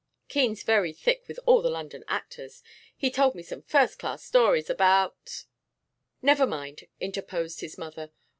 Keene's very thick with all the London actors. He told me some first class stories about ' 'Never mind,' interposed his mother.